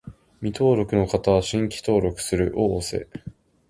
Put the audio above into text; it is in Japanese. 未登録の方は、「新規登録する」を押す